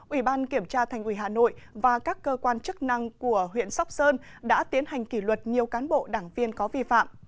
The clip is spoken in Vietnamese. ủy ban kiểm tra thành ủy hà nội và các cơ quan chức năng của huyện sóc sơn đã tiến hành kỷ luật nhiều cán bộ đảng viên có vi phạm